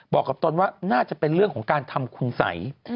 บอกกับตนว่าน่าจะเป็นเรื่องของการทำคุณสัย